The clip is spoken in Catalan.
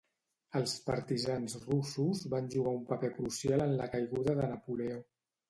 Els partisans russos van jugar un paper crucial en la caiguda de Napoleó.